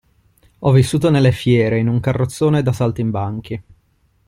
Ho vissuto nelle fiere, in un carrozzone da saltimbanchi.